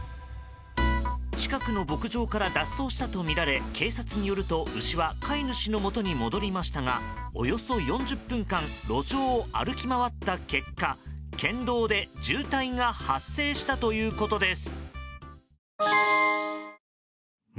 近くの牧場から脱走したとみられ警察によると牛は飼い主の元に戻りましたがおよそ４０分間路上を歩き回った結果県道で渋滞が発生したということです。